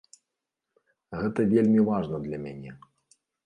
Гэта вельмі важна для мяне.